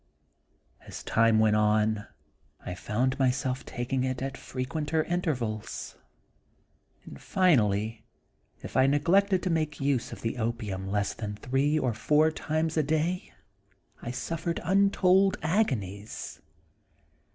As time went on I found myself taking it at frequenter intervals ; and, finally, if I neglected to make use of the opium less than three or four times a day, I suffered untold agonies.